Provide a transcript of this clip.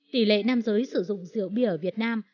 nhiều nhân dưới sử dụng rượu bia ở việt nam